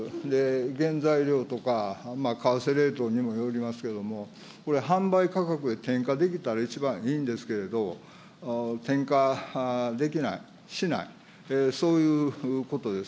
原材料とか為替レートにもよりますけれども、販売価格に転嫁できたら一番いいんですけれど、転嫁できない、しない、そういうことです。